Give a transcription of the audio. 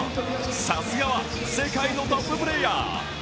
さすがは世界のトッププレーヤー。